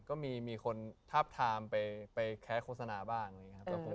ก็มีคนทับทามไปแค้นโฆษณาบ้าง